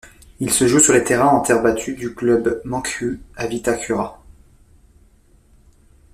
Il se joue sur les terrains en terre battue du Club Manquehue à Vitacura.